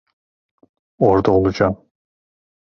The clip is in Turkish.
Orada olacağım.